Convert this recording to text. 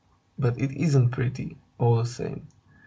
But it isn't pretty, all the same."